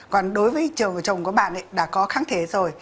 còn đối với chồng của bạn đã có kháng thể rồi